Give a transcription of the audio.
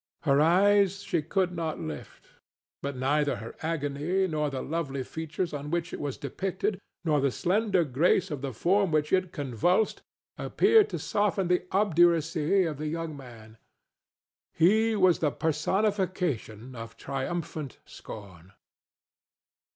Her eyes she could not lift. But neither her agony, nor the lovely features on which it was depicted, nor the slender grace of the form which it convulsed, appeared to soften the obduracy of the young man. He was the personification of triumphant scorn.